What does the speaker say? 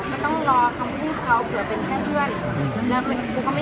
ก็ต้องรอคำพูดเขาเผื่อเป็นแค่เพื่อน